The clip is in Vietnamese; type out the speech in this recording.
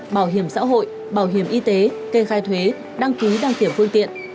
bảo hiểm xã hội bảo hiểm y tế kê khai thuế đăng ký đăng kiểm phương tiện